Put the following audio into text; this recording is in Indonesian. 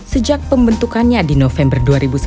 sejak pembentukannya di november dua ribu sebelas